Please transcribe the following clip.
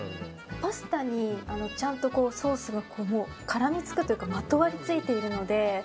パスタに、ちゃんとソースが絡みつくというかまとわりついているので。